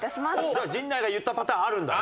じゃあ陣内が言ったパターンあるんだ。